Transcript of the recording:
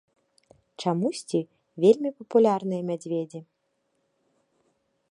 Чамусьці вельмі папулярныя мядзведзі.